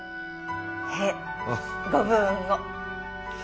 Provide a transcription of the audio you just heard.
へえご武運を。